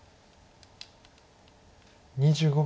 ２５秒。